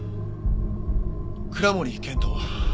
倉森健人